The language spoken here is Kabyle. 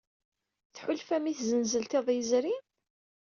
Tḥulfam i tzenzelt iḍ yezrin?